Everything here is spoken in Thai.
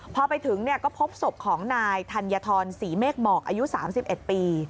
พอไปถึงก็พบศพของนายธัญฑรศรีเมฆหมอกอายุ๓๑ปี